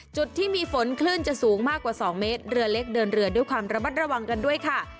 จุดที่มีฝนคลื่นจะสูงมากกว่า๒เมตรเรือเล็กเดินเรือด้วยความระมัดระวังกันด้วยค่ะ